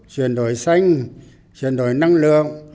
chuyển đổi xanh chuyển đổi năng lượng